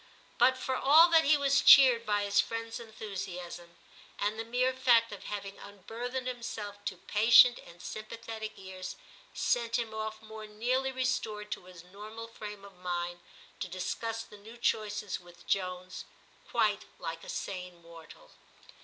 But for all that he was cheered by his friend's enthusiasm ; and the mere fact of having unburthened himself to patient and sympathetic ears sent him off more nearly restored to his normal frame of mind, to dis cuss the new choices with Jones, quite like a sane mortal.